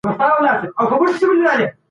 د صنعتي هیوادونو تجربې ګټورې دي.